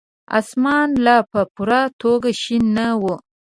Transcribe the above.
اسمان لا په پوره توګه شين نه وو.